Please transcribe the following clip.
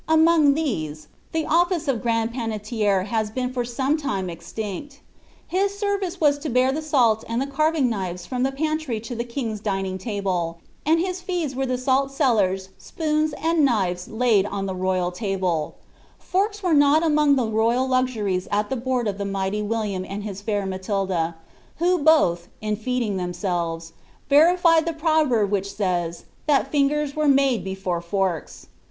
Among these, the office of grand pannetier has been for some time extinct His service was to b^ the salt and the carving knives from the pantry to the king's dining table, and his fees weie the salt cellars, spoons, and knives laid on the royal table ;^ forks were not among the royal luxuries at the board of the mighty William and his fiiir Matilda, who both, in feeding themselves, verified the proverb which says ^that fingers were made before forks.'"